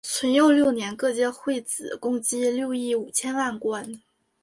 淳佑六年各界会子共计六亿五千万贯。